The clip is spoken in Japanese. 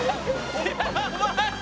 やばい。